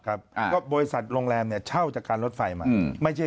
ก็บริษัทโรงแรมเนี่ยเช่าจากการรถไฟมาไม่ใช่